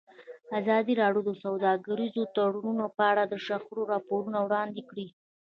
ازادي راډیو د سوداګریز تړونونه په اړه د شخړو راپورونه وړاندې کړي.